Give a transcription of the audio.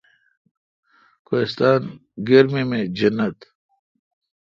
کوستان گرمی می جنت۔